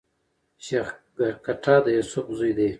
شېخ ګټه د يوسف زوی دﺉ.